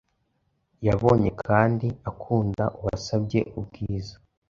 yabonye kandi akunda uwasabye ubwiza